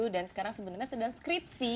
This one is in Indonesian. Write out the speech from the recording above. dan sekarang sebenarnya sedang skripsi